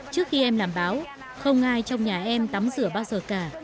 trước khi em làm báo không ai trong nhà em tắm rửa bao giờ cả